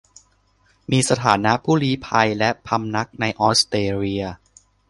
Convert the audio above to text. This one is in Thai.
มีสถานะผู้ลี้ภัยและพำนักในออสเตรเลีย